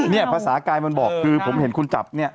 ภาษากายมันบอกคือผมเห็นคุณจับเนี่ย